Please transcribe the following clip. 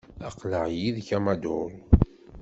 Aql-aɣ yid-k a Maduro.